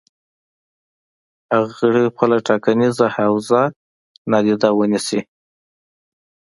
هغه غړي خپله ټاکنیزه حوزه نادیده ونیسي.